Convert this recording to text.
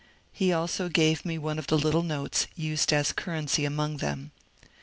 He also gave me one of the little notes used as currency among them.